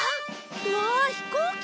うわあ飛行機？